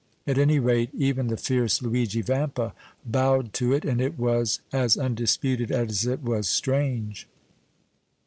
At any rate, even the fierce Luigi Vampa bowed to it, and it was as undisputed as it was strange.